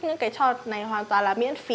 những cái trò này hoàn toàn là miễn phí